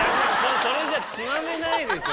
それじゃつまめないでしょ。